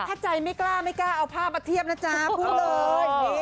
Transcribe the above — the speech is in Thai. ถ้าใจไม่กล้าไม่กล้าเอาภาพมาเทียบนะจ๊ะพูดเลย